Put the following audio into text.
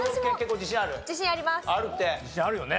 自信あるよね。